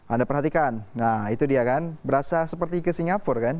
anda perhatikan nah itu dia kan berasa seperti ke singapura kan